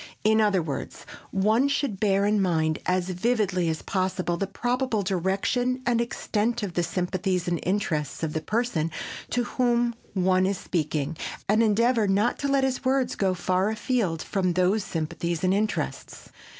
In other words, one should bear in mind as vividly as possible the probable direction and extent of the sympathies and interests of the person to whom one is speaking and endeavor not to let his words go far afield from those sympathies and interests.